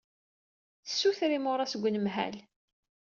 Tessuter imuras seg unemhal.